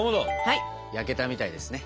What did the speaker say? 焼けたみたいですね。